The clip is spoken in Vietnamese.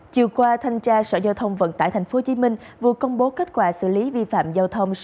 chiều qua thanh tra sở giao thông vận tải tp hcm vừa công bố kết quả xử lý vi phạm giao thông